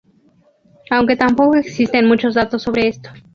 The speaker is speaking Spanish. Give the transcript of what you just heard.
Aunque tampoco existen muchos datos sobre esto.